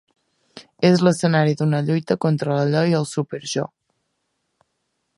És l'escenari d'una lluita contra l'allò i el súper-jo.